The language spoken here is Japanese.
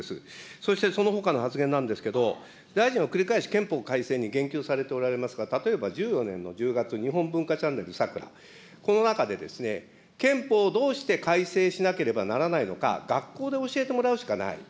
そして、そのほかの発言なんですけれども、大臣は繰り返し、憲法改正に言及されておられますが、例えば、１４年の１０月、日本文化チャンネル、この中で、憲法をどうして改正しなければならないのか、学校で教えてもらうしかない。